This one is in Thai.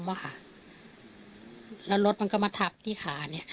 แล้วรถมันก็มาทับที่ขา